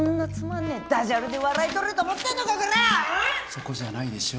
そこじゃないでしょ。